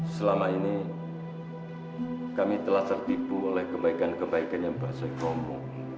selama ini kami telah tertipu oleh kebaikan kebaikan yang bahasa ekonomi